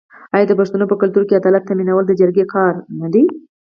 آیا د پښتنو په کلتور کې عدالت تامینول د جرګې کار نه دی؟